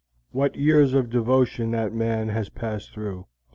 What years of devotion that man has passed through!